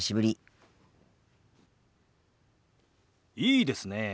いいですねえ。